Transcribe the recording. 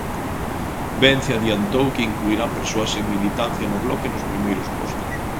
Vence adiantou que incluirán persoas sen militancia no Bloque nos primeiros postos.